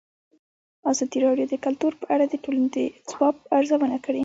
ازادي راډیو د کلتور په اړه د ټولنې د ځواب ارزونه کړې.